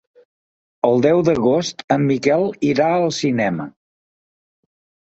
El deu d'agost en Miquel irà al cinema.